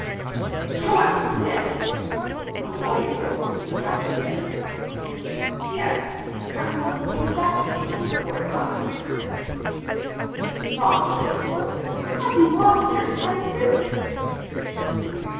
"John Smith!" The lawyer was sitting erect again. "Yes. I'm going to take that name—for a time." "Nonsense, Fulton! Have you lost your senses?"